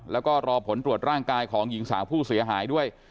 แล้วก็รอผลตรวจร่างกายของหญิงสาวผู้เสียหายด้วย